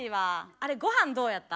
あれ御飯どうやった？